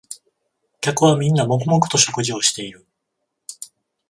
客はみんな黙々と食事をしている